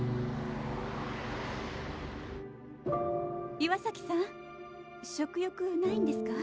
岩崎さん食欲ないんですか？